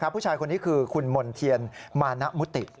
ผู้ชายคนนี้คือคุณมณ์เทียนมานะมุติ